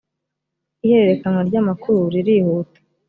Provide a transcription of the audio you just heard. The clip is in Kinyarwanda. ihererekanwa ryamakuru ririhuta .